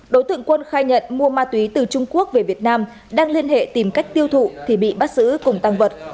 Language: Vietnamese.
đối tượng quân khai nhận mua ma túy từ trung quốc về việt nam đang liên hệ tìm cách tiêu thụ thì bị bắt giữ cùng tăng vật